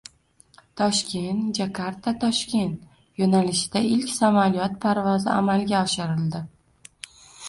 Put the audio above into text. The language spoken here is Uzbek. “Toshkent-Jakarta-Toshkent” yo‘nalishida ilk samoliyot parvozi amalga oshirildi